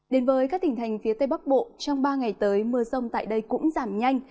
đến với các tỉnh thành phía tây bắc bộ trong ba ngày tới mưa rông tại đây cũng giảm nhanh